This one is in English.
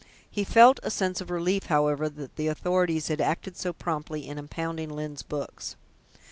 He felt a sense of relief, however, that the authorities had acted so promptly in impounding Lyne's books.